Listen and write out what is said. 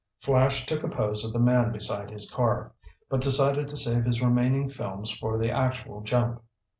Flash took a pose of the man beside his car, but decided to save his remaining films for the actual jump.